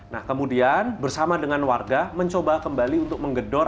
nah kemudian bersama dengan warga mencoba kembali untuk menggedor